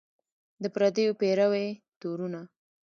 د پردیو پیروۍ تورونه